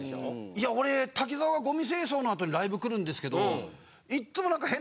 いや俺滝沢がごみ清掃の後にライブ来るんですけど。